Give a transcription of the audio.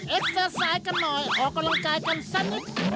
เอ็กเตอร์ไซด์กันหน่อยออกกำลังกายกันสักนิด